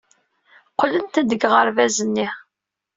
Qeblen-ten deg uɣerbaz-nni.